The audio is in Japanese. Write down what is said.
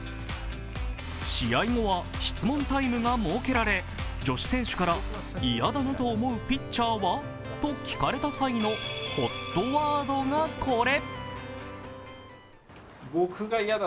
試合後は質問タイムが設けられ女子選手から、嫌だなと思うピッチャーは？と聞かれた際のＨＯＴワードがこれ。